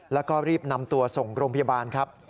แล้วก็รีบนำตัวส่งโรงพยาบาลครับ